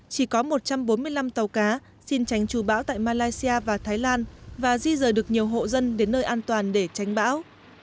chỉ có một trăm bốn mươi năm tàu cá xin tránh trù bão tại malaysia và thái lan và di rời được nhiều hộ dân đến nơi an toàn để tránh bão